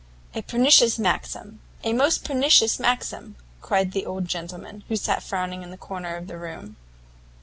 "A pernicious maxim! a most pernicious maxim!" cried the old gentleman, who sat frowning in a corner of the room.